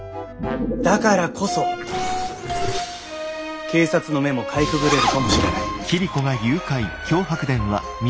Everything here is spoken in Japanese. だからこそ警察の目もかいくぐれるかもしれない。